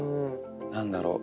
何だろう